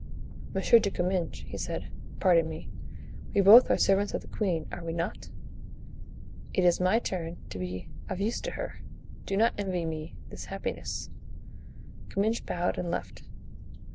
"Monsieur de Comminges," he said, "pardon me; we both are servants of the queen, are we not? It is my turn to be of use to her; do not envy me this happiness." Comminges bowed and left.